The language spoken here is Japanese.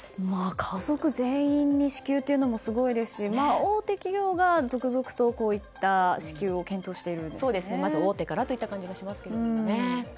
家族全員に支給というのもすごいですし大手企業が続々とこうした支給をまず大手からといった感じがします。